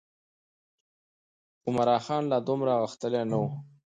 عمرا خان لا دومره غښتلی نه و.